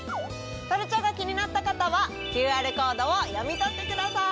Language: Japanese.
トルチャが気になった方はＱＲコードを読み取ってください！